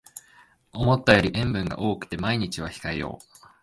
思ったより塩分が多くて毎日は控えよう